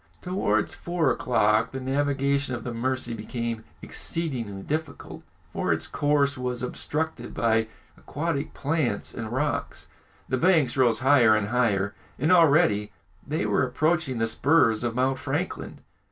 Towards four o'clock, the navigation of the Mercy became exceedingly difficult, for its course was obstructed by aquatic plants and rocks. The banks rose higher and higher, and already they were approaching the spurs of Mount Franklin.